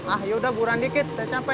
ah ya udah bu ran dikit saya capek